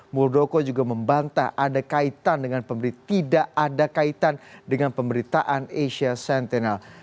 murdoko juga membantah ada kaitan dengan pemberitaan asia sentinel